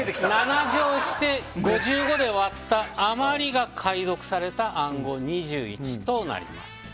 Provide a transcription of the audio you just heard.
７乗して、５５で割った余りが解読された暗号２１となります。